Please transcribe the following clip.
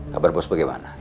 kabar bos bagaimana